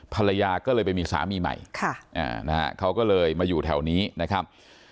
ภรรยาก็เลยไปมีสามีใหม่เขาก็เลยมาอยู่แถวนี้นะครับ